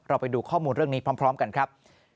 ไปดูข้อมูลเรื่องนี้พร้อมกันครับ